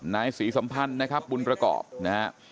นายศรีสัมพันธ์นะครับบุญประกอบนะฮะ